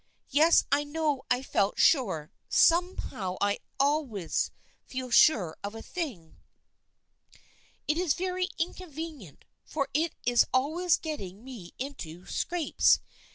Yes, I know I felt very sure. Somehow I always feel sure of a thing. It is very inconvenient, for it is always getting me into scrapes.